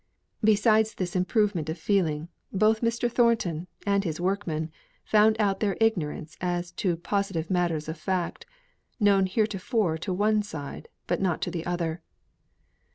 Besides this improvement of feeling, both Mr. Thornton and his workmen found out their ignorance as to positive matters of fact, known heretofore to one side, but not to the other.